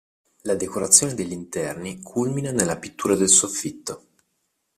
La decorazione degli interni culmina nella pittura del soffitto.